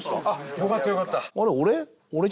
よかったよかった。